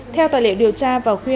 theo tài liệu điều tra vào khuya